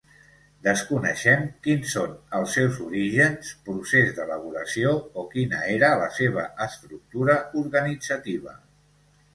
Desconeixem quins són els seus orígens, procés d’elaboració, o quina era la seva estructura organitzativa.